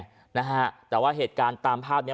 ก็ใช่ไงแต่ว่าเหตุการณ์ตามภาพนี้